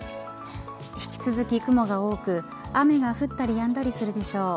引き続き雲が多く雨が降ったりやんだりするでしょう。